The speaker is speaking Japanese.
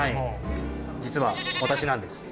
実は私なんです。